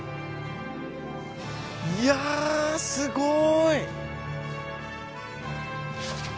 いやすごい。